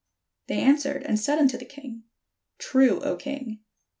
They answered and said unto the king: "True, 0 king."